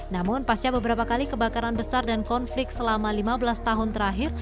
namun pasca beberapa kali kebakaran besar dan konflik selama lima belas tahun terakhir